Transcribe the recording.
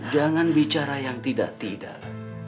jangan bicara yang tidak tidak